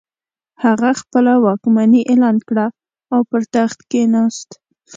هغه خپله واکمني اعلان کړه او پر تخت کښېناست.